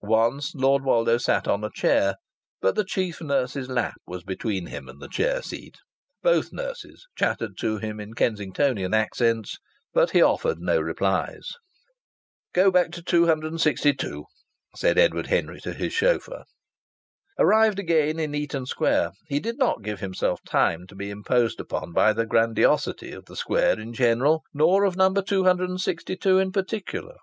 Once Lord Woldo sat on a chair, but the chief nurse's lap was between him and the chair seat. Both nurses chattered to him in Kensingtonian accents, but he offered no replies. "Go back to 262," said Edward Henry to his chauffeur. Arrived again in Eaton Square, he did not give himself time to be imposed upon by the grandiosity of the square in general, nor of No. 262 in particular.